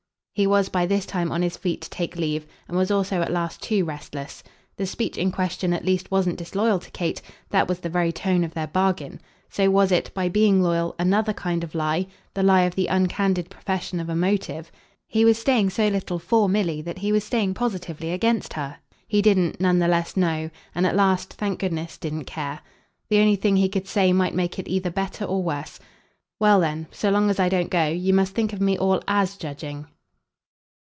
He was by this time on his feet to take leave, and was also at last too restless. The speech in question at least wasn't disloyal to Kate; that was the very tone of their bargain. So was it, by being loyal, another kind of lie, the lie of the uncandid profession of a motive. He was staying so little "for" Milly that he was staying positively against her. He didn't, none the less, know, and at last, thank goodness, didn't care. The only thing he could say might make it either better or worse. "Well then, so long as I don't go, you must think of me all AS judging!"